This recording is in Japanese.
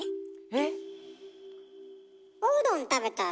えっ？